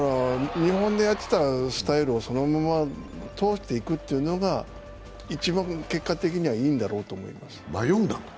日本でやってたスタイルをそのまま通していくというのが一番、結果的にはいいんだろうと思います。